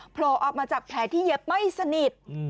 โผล่ออกมาจากแผลที่เย็บไม่สนิท